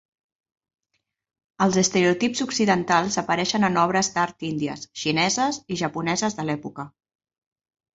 Els estereotips occidentals apareixen en obres d'art índies, xineses i japoneses de l'època.